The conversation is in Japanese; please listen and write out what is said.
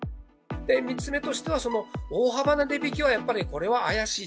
３つ目としては、大幅な値引きはやっぱり、これは怪しい。